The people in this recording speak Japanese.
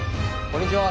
こんにちは。